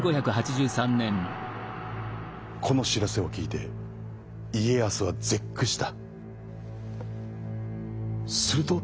この知らせを聞いて家康は絶句した。